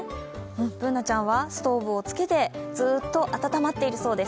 Ｂｏｏｎａちゃんは、ストーブをつけてずっと暖まっているそうです。